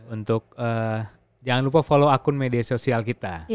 untuk jangan lupa follow akun media sosial kita